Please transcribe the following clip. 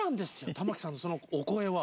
玉置さんのそのお声は。